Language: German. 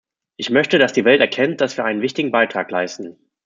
Ich möchte, dass die Welt erkennt, dass wir einen wichtigen Beitrag leisten.